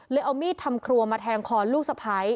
เอามีดทำครัวมาแทงคอลูกสะพ้าย